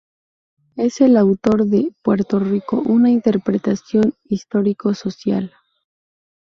Es el autor de "Puerto Rico, una interpretación histórico-social".